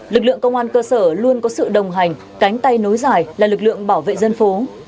lực lượng công an cơ sở luôn có sự đồng hành cánh tay nối dài là lực lượng bảo vệ dân phố